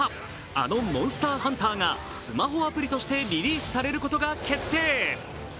あの「モンスターハンター」がスマホアプリとしてリリースされることが決定。